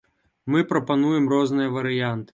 Мы прапануем розныя варыянты.